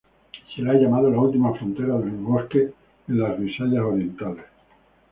Se le ha llamado "la última frontera del bosque en las Visayas orientales".